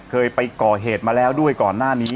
เคยไปก่อเหตุมาแล้วด้วยก่อนหน้านี้